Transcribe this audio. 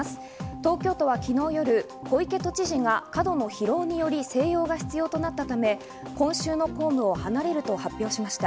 東京都は昨日夜、小池都知事が過度の疲労により静養が必要となったため、今週の公務を離れると発表しました。